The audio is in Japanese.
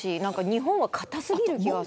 日本は堅過ぎる気がする。